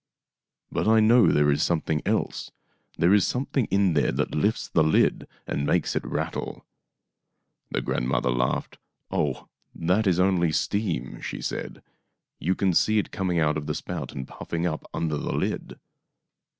" But I know there is something else. There is something in there that lifts the lid and makes it rattle." The grandmother laughed. " Oh, that is only steam," she said. " You can see it coming out of the spout and puffing up under the lid."